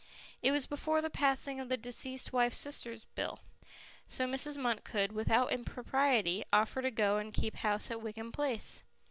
It was before the passing of the Deceased Wife's Sister Bill, so Mrs. Munt could without impropriety offer to go and keep house at Wickham Place.